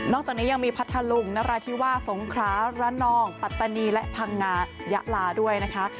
จากนี้ยังมีพัทธลุงนราธิวาสงคราระนองปัตตานีและพังงายะลาด้วยนะคะ